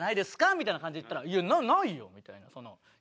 みたいな感じで言ったら「いやないよ」みたいなその。